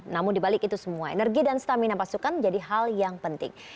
namun dibalik itu semua energi dan stamina pasukan menjadi hal yang penting